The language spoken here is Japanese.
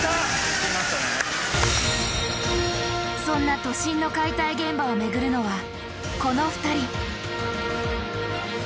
そんな都心の解体現場を巡るのはこの２人。